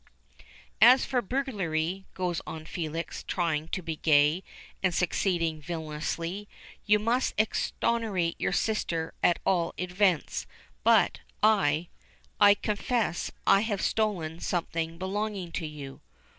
"As for burglary," goes on Felix, trying to be gay, and succeeding villainously. "You must exonerate your sister at all events. But I I confess I have stolen something belonging to you."